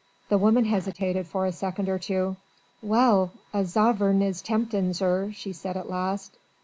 The woman hesitated for a second or two. "Well! a zovereign is tempting, zir," she said at last.